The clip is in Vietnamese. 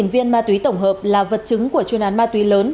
một mươi viên ma túy tổng hợp là vật chứng của chuyên án ma túy lớn